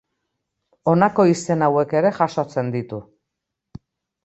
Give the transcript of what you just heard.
Honako izen hauek ere jasotzen ditu.